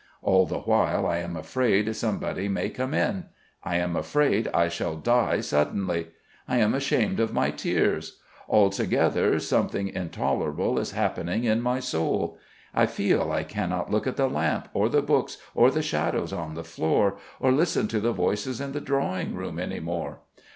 All the while I am afraid somebody may come in; I am afraid I shall die suddenly; I am ashamed of my tears; altogether, something intolerable is happening in my soul. I feel I cannot look at the lamp or the books or the shadows on the floor, or listen to the voices in the drawing room any more.